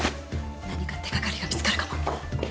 何か手掛かりが見つかるかも。